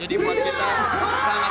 jadi buat kita sangat sangat besar